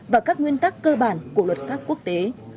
và các nguyên tắc cơ bản của luật pháp quốc tế